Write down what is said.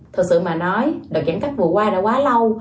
thật sự mà nói đợt giãn cách vừa qua đã quá lâu